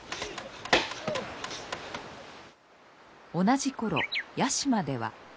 同じ頃屋島では。